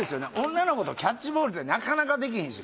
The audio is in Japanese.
女の子とキャッチボールってなかなかできひんし